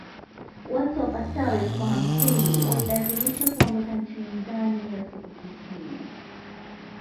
Watu wapatao elfu hamsini walilazimishwa kuondoka nchini ndani ya siku tisini